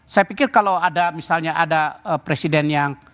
saya pikir kalau ada misalnya ada presiden yang